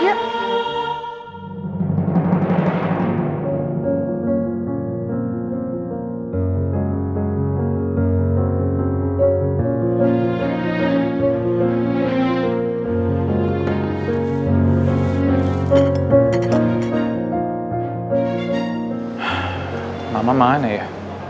bapak mau disiapkan meja